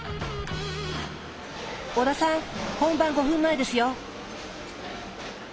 織田さん本番５分前ですよ。